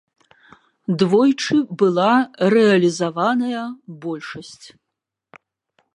Двойчы была рэалізаваная большасць.